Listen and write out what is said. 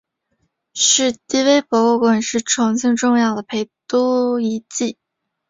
史迪威博物馆是重庆重要的陪都遗迹。